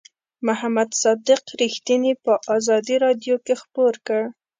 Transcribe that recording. محمد صادق رښتیني په آزادۍ رادیو کې خپور کړ.